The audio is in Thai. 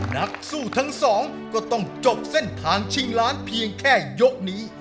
นักสู้ทั้งสองก็ต้องจบเส้นทางชิงล้านเพียงแค่ยกนี้